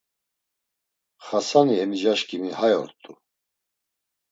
Xasani emicaşǩimi hay ort̆u!